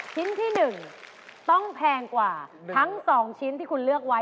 ชิ้นที่๑ต้องแพงกว่าทั้ง๒ชิ้นที่คุณเลือกไว้